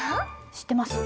知ってます？